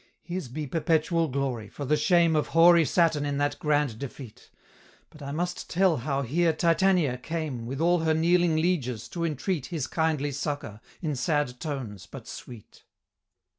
His be perpetual glory, for the shame Of hoary Saturn in that grand defeat! But I must tell how here Titania, came With all her kneeling lieges, to entreat His kindly succor, in sad tones, but sweet.